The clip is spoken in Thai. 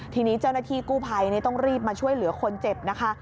ทีนี้เจ้าหน้าที่กู้ภัยต้องรีบมาช่วยเหลือคนเจ็บนะคะ